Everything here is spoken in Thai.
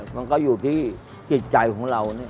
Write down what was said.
มันก็อยู่ที่จิตใจของเรา